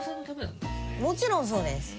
もちろんそうです！